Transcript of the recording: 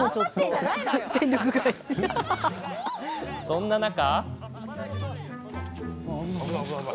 そんな中。